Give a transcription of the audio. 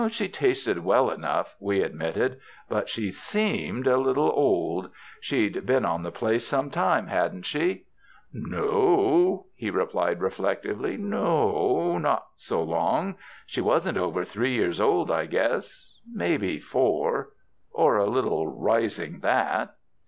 "She tasted well enough," we admitted, "but she seemed a little old. She'd been on the place some time, hadn't she?" "No o," he replied reflectively, "no o, not so long. She wasn't over three year old, I guess — mebbe four — or a little rising that."